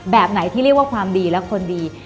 แบบไหนที่เรียกว่าความดีและคนดี